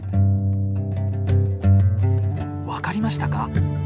分かりましたか？